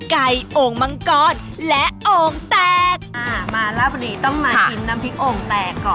ต้องมากินน้ำพริกโอ่งแตก